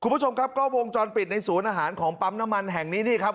คุณผู้ชมครับกล้องวงจรปิดในศูนย์อาหารของปั๊มน้ำมันแห่งนี้นี่ครับ